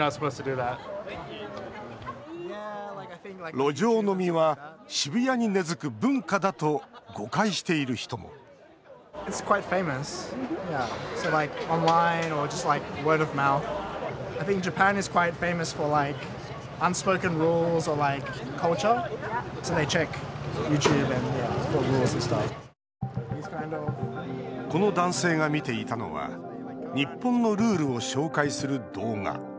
路上飲みは渋谷に根づく文化だと誤解している人もこの男性が見ていたのは日本のルールを紹介する動画。